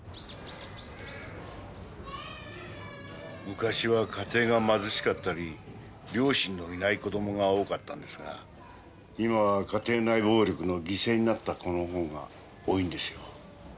昔は家庭が貧しかったり両親のいない子供が多かったんですが今は家庭内暴力の犠牲になった子の方が多いんですよ。